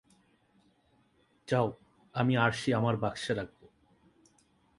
যাও, আমি আরশি আমার বাক্সে রাখবো।